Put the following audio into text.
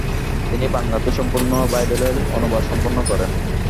তিনি বাংলাতে সম্পূর্ণ বাইবেলের অনুবাদ সম্পন্ন করেন।